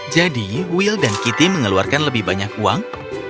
jadi will dan kitty mengeluarkan lebih banyak uang